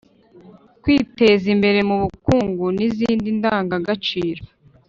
kwiteza imbere mu bukungu n’izindi ndangagaciro.